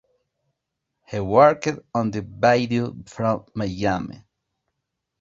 He worked on the video from Miami.